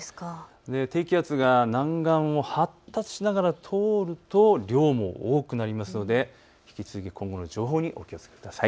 低気圧が南岸を発達しながら通ると量も多くなるので引き続き今後の情報にお気を付けください。